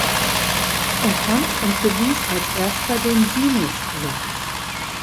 Er fand und bewies als erster den Sinussatz.